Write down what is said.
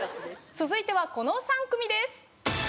続いてはこの３組です